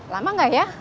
lama gak ya